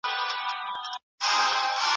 که تاسي بېدېدلي سواست نو دروازه وتړئ.